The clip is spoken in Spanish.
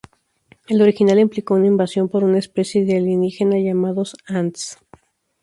El original implicó una invasión por una especie de alienígena llamados "ants".